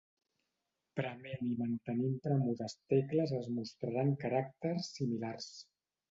Prement i mantenint premudes tecles es mostraran caràcters similars.